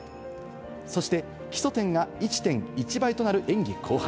そして基礎点が１．１倍となる演技後半。